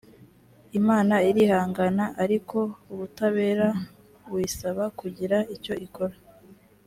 imana irihangana ariko ubutabera buyisaba kugira icyo ikora